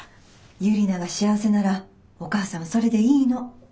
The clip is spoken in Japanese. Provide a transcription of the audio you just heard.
ユリナが幸せならお母さんはそれでいいの。